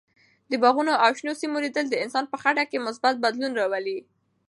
د باغونو او شنو سیمو لیدل د انسان په خټه کې مثبت بدلون راولي.